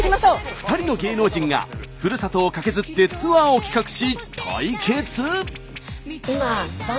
２人の芸能人がふるさとをカケズってツアーを企画し対決！